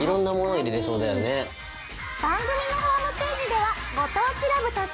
番組のホームページでは「ご当地ＬＯＶＥ」として。